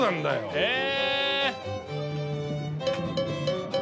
へえ。